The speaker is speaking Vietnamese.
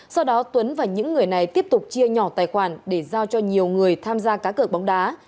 sau đó tuấn và những người này tiếp tục chia nhỏ tài khoản để giao cho nhiều người tham gia cá cợp bóng đá